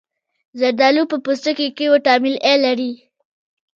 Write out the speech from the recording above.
زردالو په پوستکي کې ویټامین A لري.